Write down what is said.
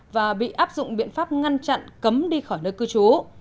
và bị áp dụng biện pháp ngăn chặn cấm đi khỏi nơi cư trú